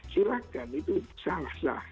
silahkan itu salah salah